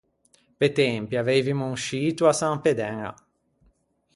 Pe tempi aveivimo un scito à San Pê d’Æña.